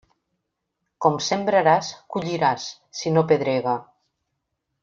Com sembraràs, colliràs, si no pedrega.